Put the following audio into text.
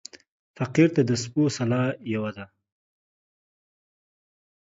فقير ته د سپو سلا يوه ده.